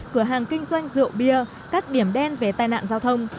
cửa hàng kinh doanh rượu bia các điểm đen về tai nạn giao thông